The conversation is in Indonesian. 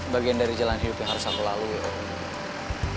bagian dari jalan hidup yang harus aku lalui